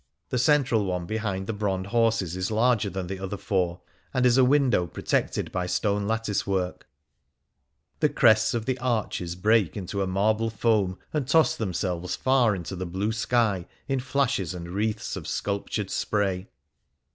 The Heart of Venice central one behind the bronze horses is larger than the other four, and is a window protected by stone lattice work. "The crests of the arches break into a marble foam, and toss themselves far into the blue sky in flashes and wreaths of sculptured spray.